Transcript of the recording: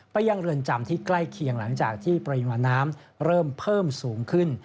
ยังเรือนจำที่ใกล้เคียงหลังจากที่ปริมาณน้ำเริ่มเพิ่มสูงขึ้น